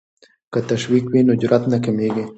که تشویق وي نو جرات نه کمېږي.